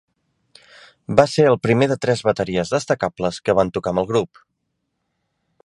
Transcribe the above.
V ser el primer de tres bateries destacables que van tocar amb el grup.